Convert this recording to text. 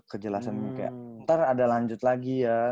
kejelasan kayak ntar ada lanjut lagi ya